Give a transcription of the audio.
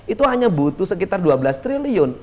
itu hanya butuh sekitar dua belas triliun